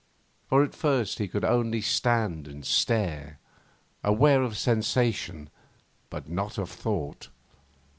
For at first he could only stand and stare, aware of sensation but not of thought.